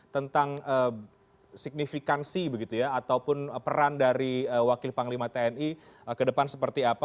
tentang susunan organisasi tni